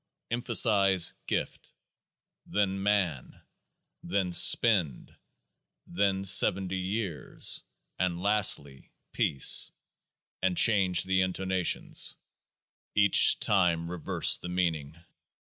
Emphasise gift, then man, then spend, then seventy years, and lastly peace, and change the intonations — each time reverse the meaning